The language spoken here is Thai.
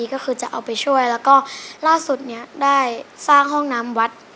ก็คือจะเอาไปช่วยแล้วก็ล่าสุดเนี้ยได้สร้างห้องน้ำวัด